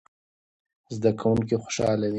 زده کوونکي خوشاله دي.